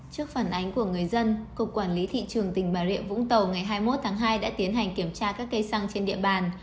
trước phản ánh của người dân cục quản lý thị trường tỉnh bà rịa vũng tàu ngày hai mươi một tháng hai đã tiến hành kiểm tra các cây xăng trên địa bàn